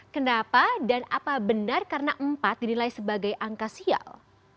kenapa dan apa benar karena empat dinilai sebagai angka sial